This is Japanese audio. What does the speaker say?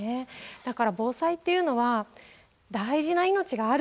だから防災っていうのは大事な命がある。